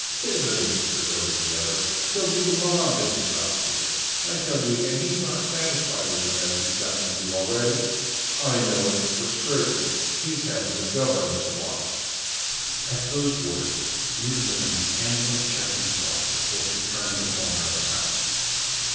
"Isn't he!" retorted the other. "He'll be mobbed if he stops here! I tell you again, he's not satisfied with the mess he's got into already. I know it for certain, he's having the governess watched." At those words, Midwinter mechanically checked himself before he turned the corner of the house.